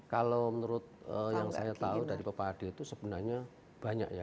kalau menurut yang saya tahu dari bapak ade itu sebenarnya banyak ya